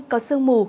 có sương mù